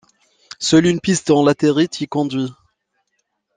Seule une piste en latérite y conduit.